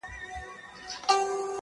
تر شا خلک دلته وېره د زمري سوه.!